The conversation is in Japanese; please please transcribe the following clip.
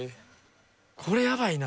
これやばいな。